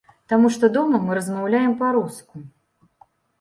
Таму што дома мы размаўляем па-руску.